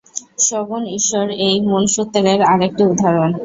সগুণ ঈশ্বর এই মূলসূত্রের আর একটি উদাহরণ।